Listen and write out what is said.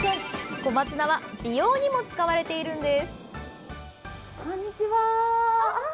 小松菜は美容にも使われているんです。